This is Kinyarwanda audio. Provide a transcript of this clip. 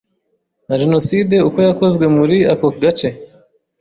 na Jenoside uko yakozwe muri ako gace